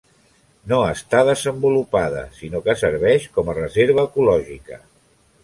No està desenvolupada, sinó que serveix com a reserva ecològica.